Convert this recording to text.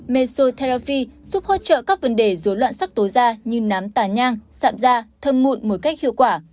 meso teraffi giúp hỗ trợ các vấn đề dối loạn sắc tố da như nám tà nhang sạm da thâm mụn một cách hiệu quả